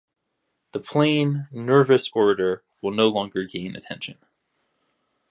The plain nervous orator will no longer gain attention.